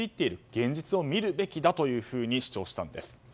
現実を見るべきだというふうに主張したんです。